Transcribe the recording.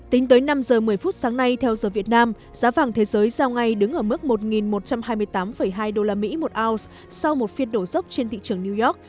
tính tới năm giờ một mươi phút sáng nay theo giờ việt nam giá vàng thế giới giao ngay đứng ở mức một một trăm hai mươi tám hai usd một ounce sau một phiên đổ dốc trên thị trường new york